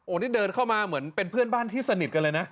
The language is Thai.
นี่เดินเข้ามาเหมือนเป็นเพื่อนบ้านที่สนิทกันเลยนะ